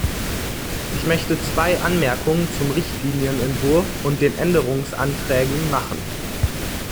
Ich möchte zwei Anmerkungen zum Richtlinienentwurf und den Änderungsanträgen machen.